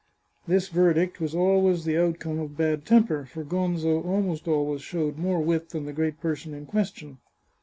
'" This verdict was always the outcome of bad temper, for Gonzo almost always showed more wit than the great person in question.